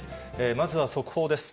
まずは速報です。